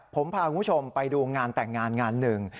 ผมพาคุณผู้ชมไปดูงานแต่งงานงานหนึ่ง